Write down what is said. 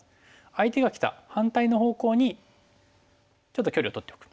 相手がきた反対の方向にちょっと距離をとっておく。